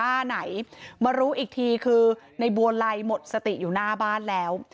ไหนมารู้อีกทีคือในบัวไลหมดสติอยู่หน้าบ้านแล้ว